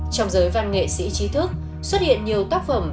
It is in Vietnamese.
trong giới văn nghệ sĩ trí thức xuất hiện nhiều tác phẩm